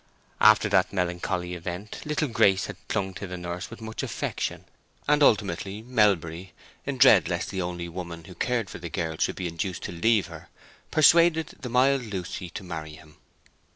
After that melancholy event little Grace had clung to the nurse with much affection; and ultimately Melbury, in dread lest the only woman who cared for the girl should be induced to leave her, persuaded the mild Lucy to marry him.